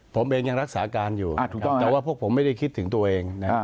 ผมเองยังรักษาการอยู่แต่ว่าพวกผมไม่ได้คิดถึงตัวเอง